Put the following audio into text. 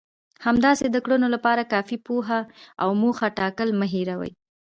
همداسې د کړنو لپاره کافي پوهه او موخه ټاکل مه هېروئ.